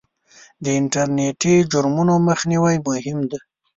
د انټرنېټي جرمونو مخنیوی مهم دی.